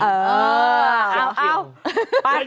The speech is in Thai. เอา